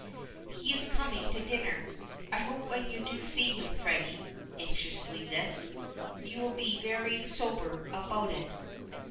"He is coming to dinner. I hope when you do see him. Freddy," anxiously this "you will be very sober about it."